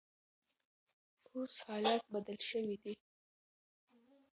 اوس حالات بدل شوي دي.